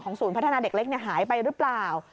ศูนย์พัฒนาเด็กเล็กหายไปหรือเปล่า